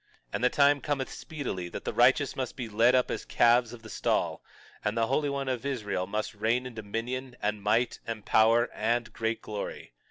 22:24 And the time cometh speedily that the righteous must be led up as calves of the stall, and the Holy One of Israel must reign in dominion, and might, and power, and great glory.